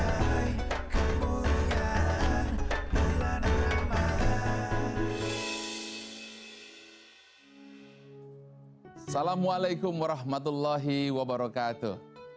assalamualaikum warahmatullahi wabarakatuh